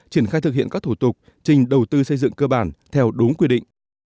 triển khai thực hiện các thủ tục trình đầu tư xây dựng cơ bản theo đúng quy định